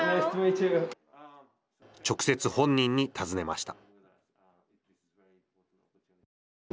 直接本人に尋ねました。